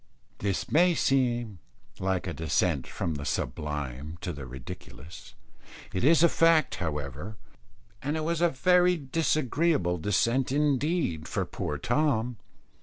This may seem like a descent from the sublime to the ridiculous. It is a fact, however, and was a very disagreeable descent indeed for poor Tom.